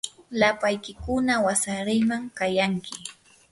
lapaykiykuna wasariman kayanki.